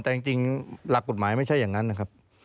แต่จริงหลักกฎหมายไม่ใช่อย่างนั้นนะครับ